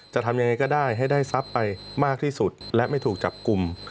จะทำยังไงก็ได้ให้ได้ทรัพย์ไปมากที่สุดและไม่ถูกจับกลุ่ม